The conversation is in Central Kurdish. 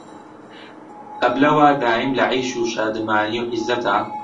ئەبلە وا دایم لە عەیش و شادمانی و عیززەتا